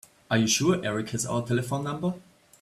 Are you sure Erik has our telephone number?